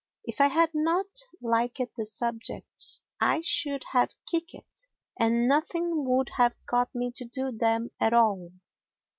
If I had not liked the subjects I should have kicked, and nothing would have got me to do them at all.